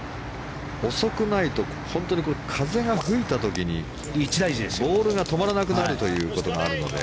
遅くないと本当に風が吹いた時にボールが止まらなくなることがあるので。